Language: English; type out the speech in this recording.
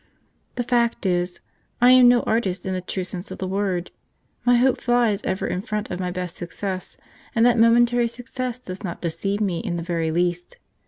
The fact is, I am no artist in the true sense of the word. My hope flies ever in front of my best success, and that momentary success does not deceive me in the very least.